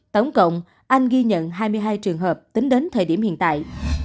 tổng cộng anh ghi nhận hai mươi hai trường hợp tính đến thời điểm hiện tại